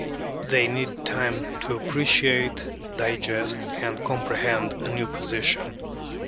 They need time to appreciate, digest, and comprehend a new proposition.